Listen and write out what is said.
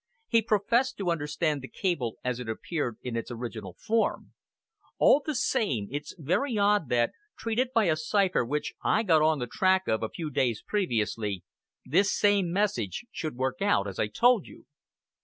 He professed to understand the cable as it appeared in its original form. All the same, it's very odd that, treated by a cipher which I got on the track of a few days previously, this same message should work out as I told you."